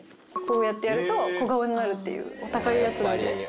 こうやってやると小顔になるっていうお高いやつなんで。